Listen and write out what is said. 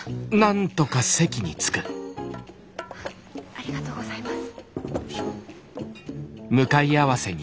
ありがとうございます。